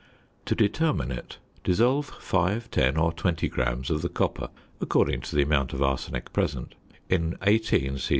To determine it, dissolve 5, 10, or 20 grams of the copper (according to the amount of arsenic present) in 18 c.c.